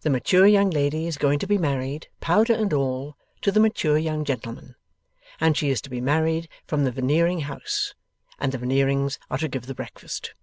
The mature young lady is going to be married (powder and all) to the mature young gentleman, and she is to be married from the Veneering house, and the Veneerings are to give the breakfast.